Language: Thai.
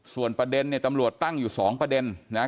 ส่วนประเด็นเนี่ยตำรวจตั้งอยู่๒ประเด็นนะ